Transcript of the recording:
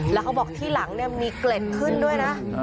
แล้วเขาบอกที่หลังเนี่ยมีเกล็ดขึ้นด้วยนะ